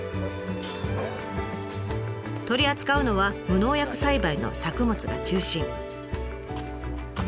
取り扱うのは無農薬栽培の作物が中心。